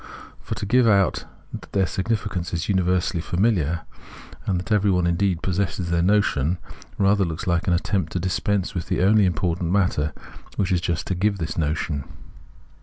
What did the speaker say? For to give out that their significance is universally familiar, and that every one indeed possesses their notion, rather looks like an attempt to dispense with the only important matter, which is just to give this notion.